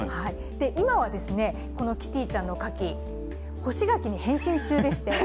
今は、このキティちゃんの柿、干し柿に変身中でして。